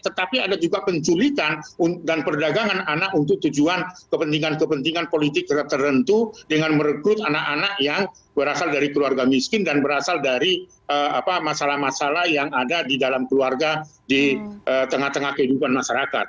tetapi ada juga penculikan dan perdagangan anak untuk tujuan kepentingan kepentingan politik tertentu dengan merekrut anak anak yang berasal dari keluarga miskin dan berasal dari masalah masyarakat